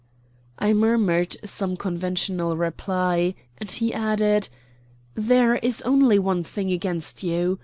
I murmured some conventional reply, and he added: "There is only one thing against you.